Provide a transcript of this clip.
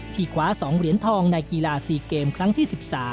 คว้า๒เหรียญทองในกีฬา๔เกมครั้งที่๑๓